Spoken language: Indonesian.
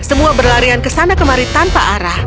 semua berlarian kesana kemari tanpa arah